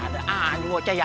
ada aja bocah ya